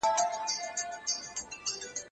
زه له سهاره د لوبو لپاره وخت نيسم!.